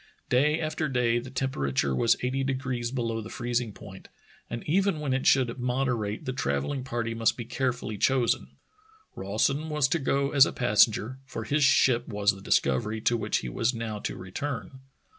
Day after day the temperature was eighty degrees below the freezing point, and even when it should moderate the travelling party must be care fully chosen. Rawson was to go as a passenger, for his ship was the Discovery to which he was now to re turn.